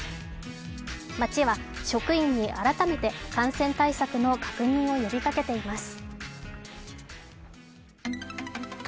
町は職員に改めて感染対策の確認を呼びかけています。